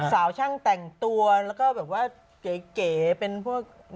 สาวช่างแต่งตัวแล้วก็แบบว่าเก๋เป็นพวก